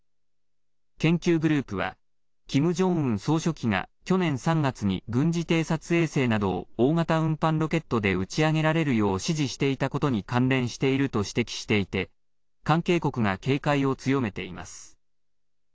研究グループはキム・ジョンウン総書記が去年３月に軍事偵察衛星などを大型運搬ロケットで打ち上げられるよう指示していたことに関連していると指摘していて関係国が警戒を強めています。